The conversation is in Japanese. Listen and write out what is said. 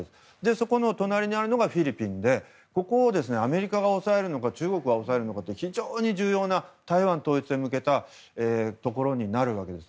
そこの隣にあるのがフィリピンでここをアメリカが抑えるのか中国が抑えるのかと非常に重要な台湾統一へ向けたところになるわけです。